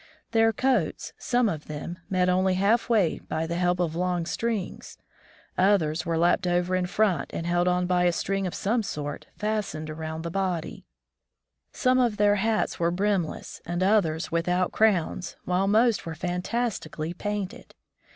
Their coats, some of them, met only half way by the help of long strings. Others were lapped over in front, and held on by a string of some sort fastened round the body. Some of their hats were brindess and others without crowns, while most were fantastically painted.